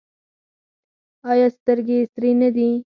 ایا سترګې یې سرې نه دي؟